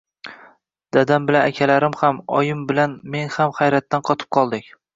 Dadam bilan akalarim ham, oyim bilan men ham hayratdan qotib qoldik.